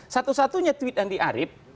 satu satunya tweet andi arief